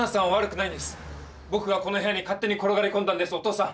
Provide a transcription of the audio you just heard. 僕がこの部屋に勝手に転がり込んだんですお父さん。